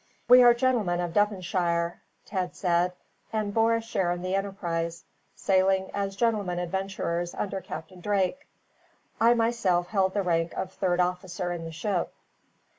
"We are gentlemen of Devonshire," Ned said, "and bore a share in the enterprise, sailing as gentlemen adventurers under Captain Drake. I myself held the rank of third officer in the ship."